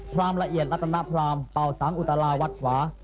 รามละเอียดรัตนพรามเป่าสังอุตลาวัดขวา